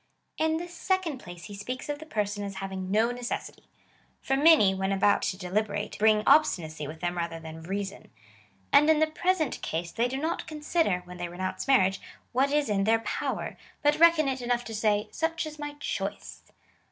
In the second place he speaks of the person as having no necessity ; for many, when about to deliberate, bring obsti nacy with them rather than reason. And in the present case^ they do not consider, when they renounce marriage, what is in their power, but reckon it enough to say —" such is my choice."